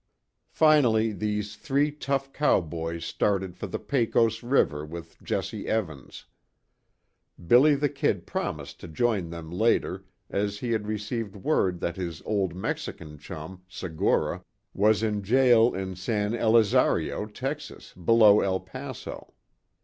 Finally these three tough cowboys started for the Pecos river with Jesse Evans. "Billy the Kid" promised to join them later, as he had received word that his Old Mexico chum, Segura, was in jail in San Elizario, Texas, below El Paso.